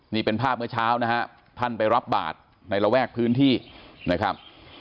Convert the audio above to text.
นี่เป็นภาพเมื่อเช้านะฮะท่านไปรับบาทในระแวกพื้นที่นะครับ